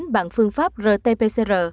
bằng phương pháp rt pcr